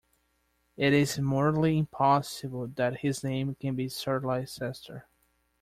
It is morally impossible that his name can be Sir Leicester.